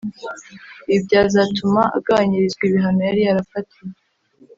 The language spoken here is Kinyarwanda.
Ibi byazatuma agabanyirizwa ibihano yari yarafatiwe